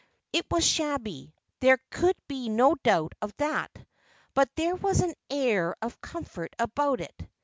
It was shabby, there could be no doubt of that, but there was an air of comfort about it.